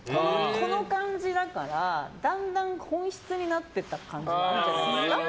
この感じだからだんだん、本質になっていった感じはあると思います。